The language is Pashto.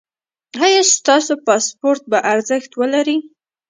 ایا ستاسو پاسپورت به ارزښت ولري؟